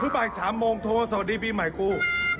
บ่าย๓โมงโทรสวัสดีปีใหม่กู